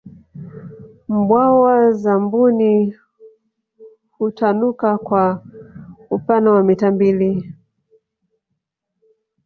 mbawa za mbuni hutanuka kwa upana wa mita mbili